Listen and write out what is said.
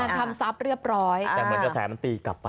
ทำทรัพย์เรียบร้อยแต่เหมือนกระแสมันตีกลับไป